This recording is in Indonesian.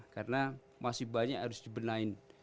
karena masih banyak yang harus dibenain